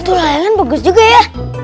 tuh layangan bagus juga ya